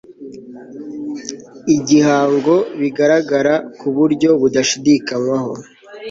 igihango bigaragara ku buryo budashidikanywaho